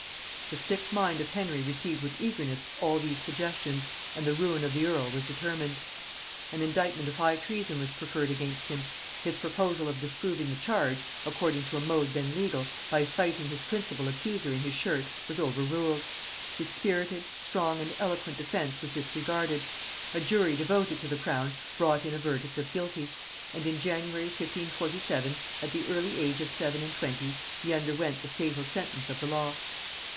The sick mind of Henry received with eagerness all these suggestions, and the ruin of the earl was determined. An indictment of high treason was preferred against him: his proposal of disproving the charge, according to a mode then legal, by fighting his principal accuser in his shirt, was overruled; his spirited, strong and eloquent defence was disregarded a jury devoted to the crown brought in a verdict of guilty; and in January 1547, at the early age of seven and twenty, he underwent the fatal sentence of the law.